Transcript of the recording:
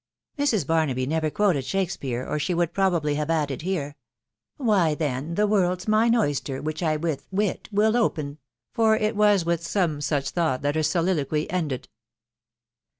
..." Mrs. Barnaby aever quoted Shakspeare, or she would pro bably have added here, — ce Why, then the world's mine oyster, which I with wit will open," for it was with some such thought that her soli loquy ended.